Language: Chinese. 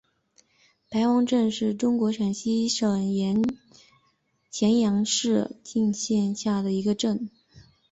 白王镇是中国陕西省咸阳市泾阳县下辖的一个镇。